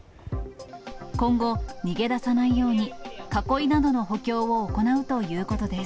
今後、逃げ出さないように、囲いなどの補強を行うということです。